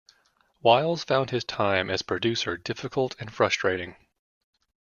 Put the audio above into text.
Wiles found his time as producer difficult and frustrating.